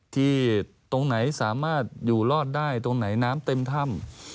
ตรงไหนสามารถอยู่รอดได้ตรงไหนน้ำเต็มถ้ำ